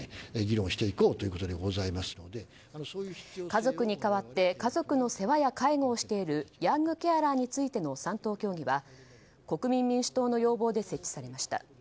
家族に代わって家族の世話や介護をしているヤングケアラーについての３党協議は国民民主党の要望で設置されました。